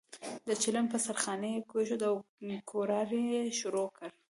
د چلم په سر خانۍ یې کېښوده او کوړاړی یې شروع کړ.